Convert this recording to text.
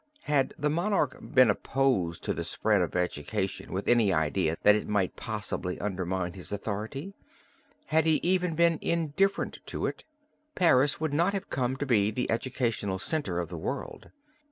Had the monarch been opposed to the spread of education with any idea that it might possibly undermine his authority, had he even been indifferent to it, Paris would not have come to be the educational center of the world.